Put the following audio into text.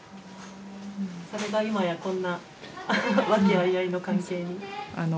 それが今やこんな和気あいあいの関係に。